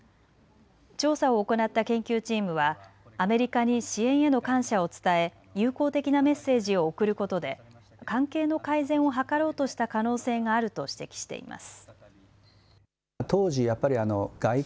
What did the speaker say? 調査を行った研究チームはアメリカに支援への感謝を伝え友好的なメッセージを送ることで関係の改善を図ろうとした可能性があると指摘しています。